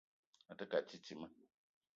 A te ke a titima.